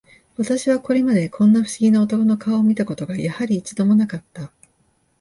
私はこれまで、こんな不思議な男の顔を見た事が、やはり、一度も無かった